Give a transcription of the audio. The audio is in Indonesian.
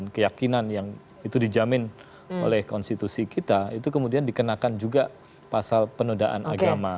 keyakinan yang itu dijamin oleh konstitusi kita itu kemudian dikenakan juga pasal penodaan agama